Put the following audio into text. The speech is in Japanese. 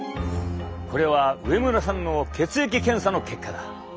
これは植村さんの血液検査の結果だ。